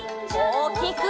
おおきく！